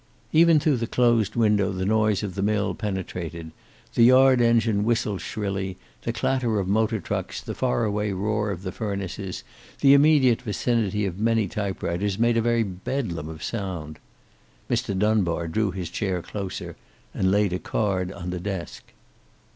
Even through the closed window the noise of the mill penetrated. The yard engine whistled shrilly. The clatter of motor trucks, the far away roar of the furnaces, the immediate vicinity of many typewriters, made a very bedlam of sound. Mr. Dunbar drew his chair closer, and laid a card on the desk.